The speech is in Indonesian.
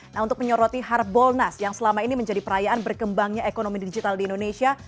nah untuk menyoroti harbolnas yang selama ini menjadi perayaan berkembangnya ekonomi digital di indonesia